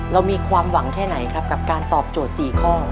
เรามีความหวังแค่ไหนครับกับการตอบโจทย์๔ข้อ